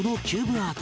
アート